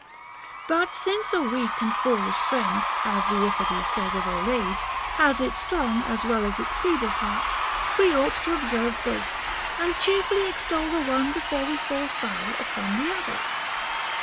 36. But since a weak and foolish friend, as Euripides says of old age, has its strong as well as its feeble part, we ought to observe both, and cheerfully extol the one before we fall foul upon the other.